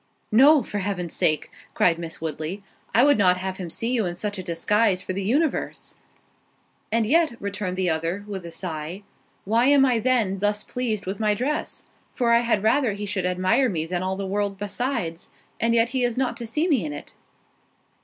"No, for heaven's sake," cried Miss Woodley, "I would not have him see you in such a disguise for the universe." "And yet," returned the other, with a sigh, "why am I then thus pleased with my dress? for I had rather he should admire me than all the world besides, and yet he is not to see me in it."